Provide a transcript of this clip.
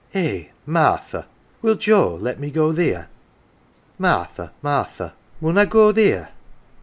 "Eh, Martha, will Joe let me go theer? Martha, Martha, inun I go theer ?